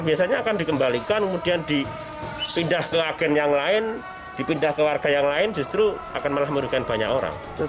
biasanya akan dikembalikan kemudian dipindah ke agen yang lain dipindah ke warga yang lain justru akan malah merugikan banyak orang